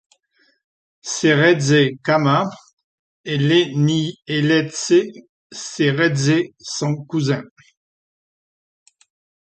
Seretse Khama et Lenyeletse Seretse sont cousins.